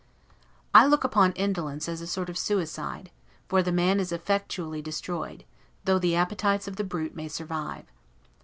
I look upon indolence as a sort of SUICIDE; for the man is effectually destroyed, though the appetites of the brute may survive.